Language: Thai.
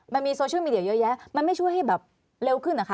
มันมีโซเชียลมีเดียเยอะแยะมันไม่ช่วยให้แบบเร็วขึ้นเหรอคะ